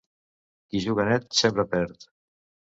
Qui juga net sempre perd.